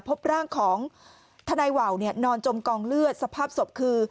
พบร่างของทนายว่าวนอนจมกองเลือดสภาพศพคือ